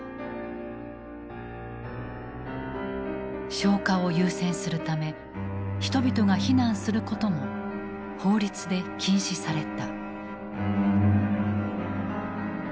消火を優先するため人々が避難することも法律で禁止された。